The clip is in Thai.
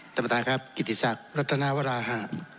ตรฐานครับกิติศักร์รัฐนาวราหะ